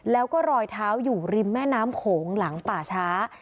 แล้วก็รอยเท้าอยู่ริมแม่น้ำโขงหลังป่าช้า